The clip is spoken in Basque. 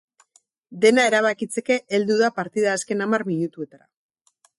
Dena erabakitzeke heldu da partida azken hamar minutuetara.